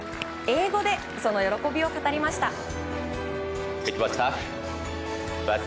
英語で、その喜びを語りました。